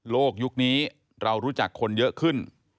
ยุคนี้เรารู้จักคนเยอะขึ้น